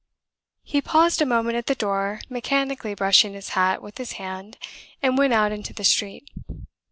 He paused a moment at the door, mechanically brushing his hat with his hand, and went out into the street.